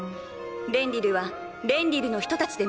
レンリルはレンリルの人たちで守ります。